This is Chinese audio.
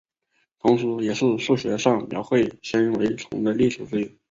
同时也是数学上描绘纤维丛的例子之一。